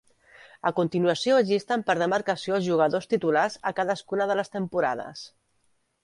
A continuació es llisten per demarcació els jugadors titulars a cadascuna de les temporades.